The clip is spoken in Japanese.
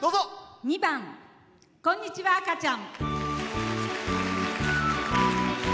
２番「こんにちは赤ちゃん」。